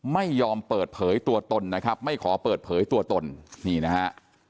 ไม่ยอมเปิดเผยตัวตนนะครับไม่ขอเปิดเผยตัวตนนี่นะฮะ